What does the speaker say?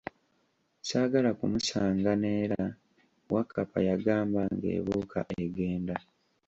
Saagala kumusaanga n'era, Wakkapa yagamba, ng'ebuuka egenda.